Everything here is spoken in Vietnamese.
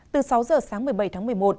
từ sáu giờ sáng một mươi bảy tháng một mươi một